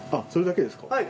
それだけですか？